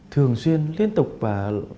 thường xuyên liên tục và